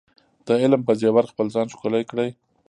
د علم په زیور خپل ځان ښکلی کړئ.